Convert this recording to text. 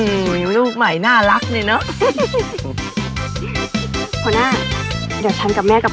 อื้อลูกใหม่น่ารักเลยเนอะครับ